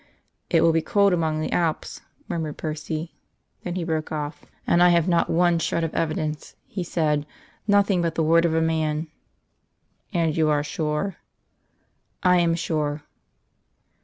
"It will be cold among the Alps," murmured Percy. Then he broke off. "And I have not one shred of evidence," he said; "nothing but the word of a man." "And you are sure?" "I am sure."